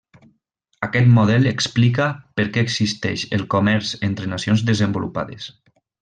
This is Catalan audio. Aquest model explica perquè existeix el comerç entre nacions desenvolupades.